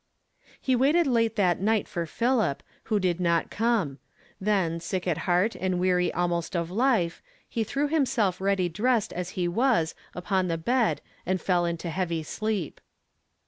He waited late that night for Philip, who did not come; then, sick at heart and weary almost of life, he threw himself ready dressed as lie was upon the bed and fell into heavy sleep.